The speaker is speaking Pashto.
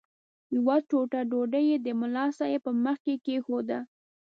یوه توده ډوډۍ یې د ملا صاحب په مخ کې کښېښوده.